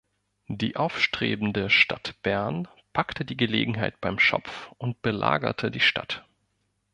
Die aufstrebende Stadt Bern packte die Gelegenheit beim Schopf und belagerte die Stadt.